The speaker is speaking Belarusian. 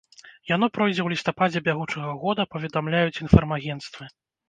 Яно пройдзе ў лістападзе бягучага года, паведамляюць інфармагенцтвы.